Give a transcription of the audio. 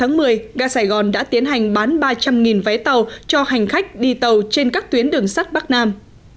gia sài gòn đã tiến hành bán ba trăm linh vé tàu cho hành khách đi tàu trên các tuyến đường sắt bắc nam